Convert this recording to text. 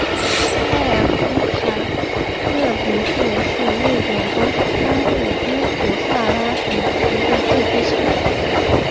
艾尔夫卡勒比市是瑞典中东部乌普萨拉省的一个自治市。